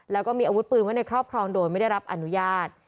แล้วก็มีอาวุธปืนไว้ในครอบครองโดยไม่ได้รับอนุญาต